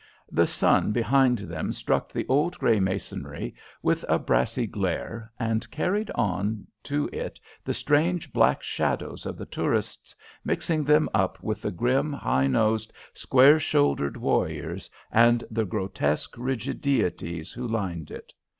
The sun behind them struck the old grey masonry with a brassy glare, and carried on to it the strange black shadows of the tourists, mixing them up with the grim, high nosed, square shouldered warriors, and the grotesque, rigid deities who lined it.